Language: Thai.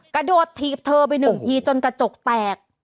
กระโดดถีบเธอไปหนึ่งทีจนกระจกแตก